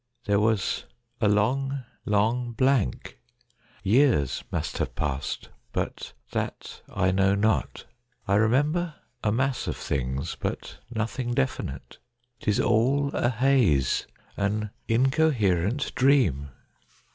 There was a long, long blank. Years must have passed : but that I know not. I remember a mass of things, but no thing definite. 'Tis all a haze, an incoherent dream.